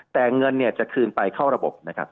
แต่เงินจะคืนไปเข้าระบบ